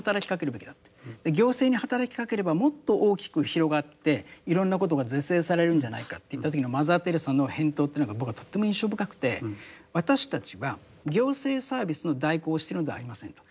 行政に働きかければもっと大きく広がっていろんなことが是正されるんじゃないかと言った時のマザー・テレサの返答というのが僕はとっても印象深くて私たちは行政サービスの代行をしてるのではありませんと。